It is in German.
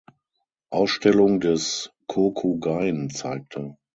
Ausstellung des Kokugain zeigte.